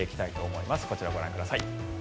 こちらをご覧ください。